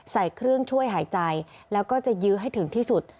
ใส่เครื่องช่วยหายใจแล้วก็จะยื้อให้ถึงที่สุด